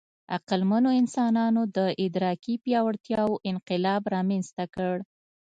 عقلمنو انسانانو د ادراکي وړتیاوو انقلاب رامنځ ته کړ.